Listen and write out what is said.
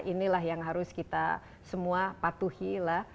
inilah yang harus kita semua patuhi lah